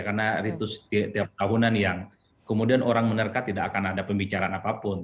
karena itu setiap tahunan yang kemudian orang menerka tidak akan ada pembicaraan apapun